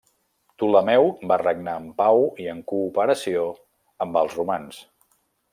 Ptolemeu va regnar en pau i en cooperació amb els romans.